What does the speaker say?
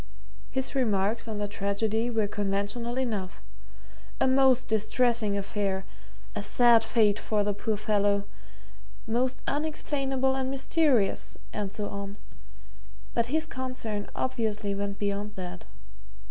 His remarks on the tragedy were conventional enough a most distressing affair a sad fate for the poor fellow most unexplainable and mysterious, and so on but his concern obviously went beyond that.